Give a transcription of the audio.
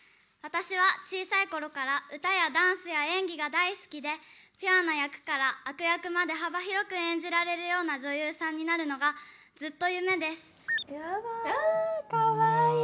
私は小さいころから歌やダンスや演技が大好きでピュアな役から悪役まで幅広く演じられるような女優さんになるのがずっと夢ですやだ